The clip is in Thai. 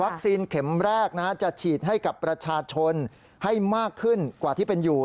เข็มแรกจะฉีดให้กับประชาชนให้มากขึ้นกว่าที่เป็นอยู่